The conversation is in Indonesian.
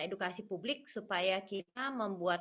edukasi publik supaya kita membuat